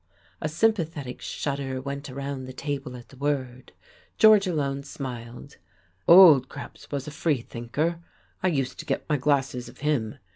A sympathetic shudder went around the table at the word. George alone smiled. "Old Krebs was a free thinker; I used to get my glasses of him.